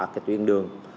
cả tuyến đường